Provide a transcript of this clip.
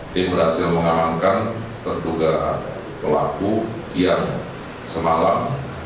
yang berhasil mengamankan tertugas pelaku yang semalam